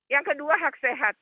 yang kedua hak sehat